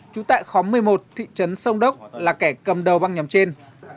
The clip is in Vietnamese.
trú tại khóm một mươi một thị trấn sông đốc là kẻ cầm đầu băng nhóm trên